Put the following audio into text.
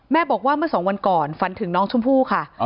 บอกว่าเมื่อสองวันก่อนฝันถึงน้องชมพู่ค่ะ